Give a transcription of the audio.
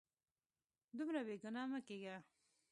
دومره بې ګناه مه کیږه